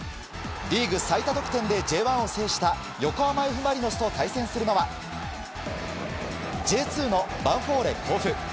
リーグ最多得点でＪ１を制した横浜Ｆ・マリノスと対戦するのはＪ２のヴァンフォーレ甲府。